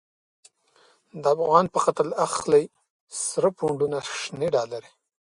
د افغان په قتل اخلی، سره پو نډونه شنی ډالری